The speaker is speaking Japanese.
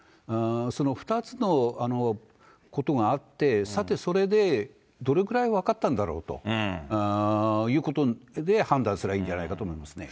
その２つのことがあって、さてそれで、どれくらい分かったんだろうということで、判断すればいいんじゃないかと思いますね。